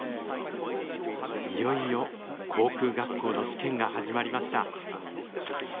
いよいよ航空学校の試験が始まりました。